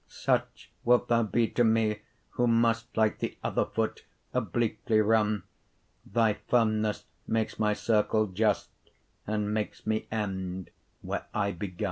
Such wilt thou be to mee, who must Like th'other foot, obliquely runne; Thy firmnes makes my circle just, And makes me end, where I begunne.